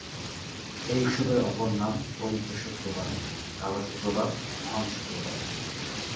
এই উৎসবের অপর নাম "পবিত্র শুক্রবার", "কালো শুক্রবার", "মহান শুক্রবার"।